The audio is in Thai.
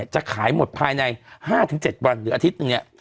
จะขายหมดภายใน๕๗วันหรืออาทิตย์หนึ่งเนี่ย